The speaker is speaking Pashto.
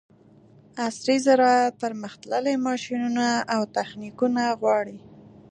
عصري زراعت پرمختللي ماشینونه او تخنیکونه غواړي.